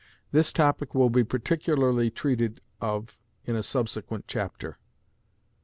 This topic will be particularly treated of in a subsequent chapter.